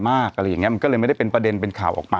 อะไรอย่างเงี้มันก็เลยไม่ได้เป็นประเด็นเป็นข่าวออกมา